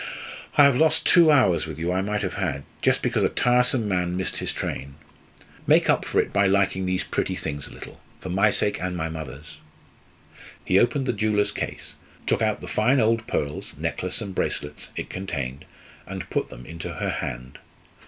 "I have lost two hours with you I might have had, just because a tiresome man missed his train. Make up for it by liking these pretty things a little, for my sake and my mother's." He opened the jeweller's case, took out the fine old pearls necklace and bracelets it contained, and put them into her hand.